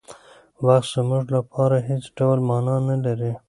وخت زموږ لپاره هېڅ ډول مانا نهلري.